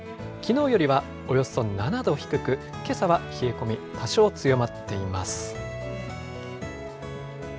きのうよりはおよそ７度低く、けさは冷え込み、多少強まっています。